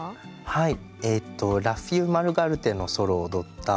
はい。